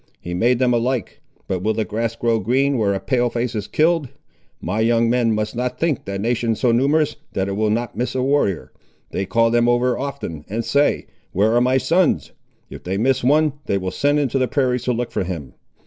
He made them alike. But will the grass grow green where a Pale face is killed? My young men must not think that nation so numerous, that it will not miss a warrior. They call them over often, and say, Where are my sons? If they miss one, they will send into the prairies to look for him.